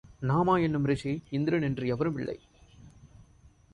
நாமா என்னும் ரிஷி, இந்திரன் என்று எவரும் இல்லை.